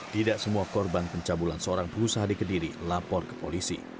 tidak semua korban pencabulan seorang berusaha dikediri lapor ke polisi